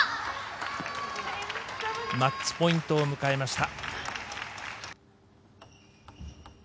マッチポイントを迎えました。